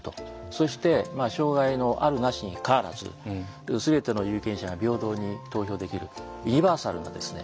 そして障害のあるなしにかかわらず全ての有権者が平等に投票できるユニバーサルなですね